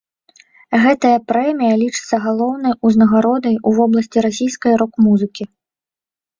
Гэтая прэмія лічыцца галоўнай узнагародай у вобласці расійскай рок-музыкі.